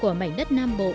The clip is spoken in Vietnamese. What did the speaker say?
của mảnh đất nam bộ